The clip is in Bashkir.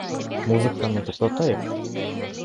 Музыканы туҡтатайыҡ!